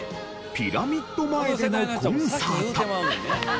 ピラミッド前でのコンサート。